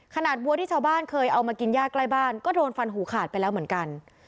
วัวที่ชาวบ้านเคยเอามากินย่าใกล้บ้านก็โดนฟันหูขาดไปแล้วเหมือนกัน